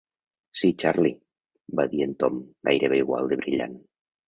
"Sí, Charley", va dir en Tom, "gairebé igual de brillant".